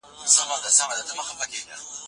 هغه څه ته چي انسان اړتیا لري ورته حاصل سي.